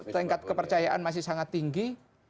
tingkat kepercayaan masih sangat tinggi